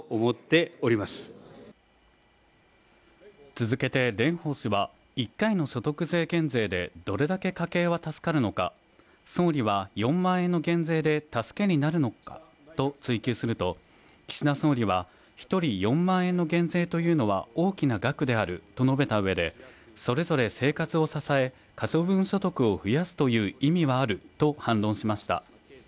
続けて蓮舫氏は１回の所得税減税でどれだけ家計は助かるのか総理は４万円の減税で助けになるのかと追及すると岸田総理は一人４万円の減税というのは大きな額であると述べた上でそれぞれ生活を支え可処分所得を増やすという意味はあると反論しました